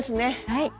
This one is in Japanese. はい。